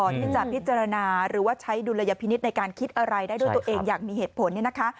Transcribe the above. อาจจะพิจารณาจะใช้ดูลยพินิสในการคิดอะไรด้วยตัวเองจะอย่างมีเหตุผล